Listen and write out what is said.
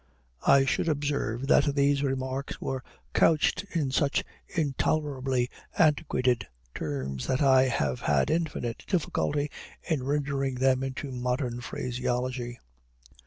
(I should observe that these remarks were couched in such intolerably antiquated terms, that I have had infinite difficulty in rendering them into modern phraseology.)